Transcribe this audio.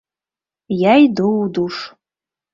Я іду ў душ.